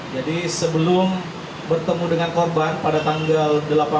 jadi sebelum bertemu dengan korban pada tanggal delapan belas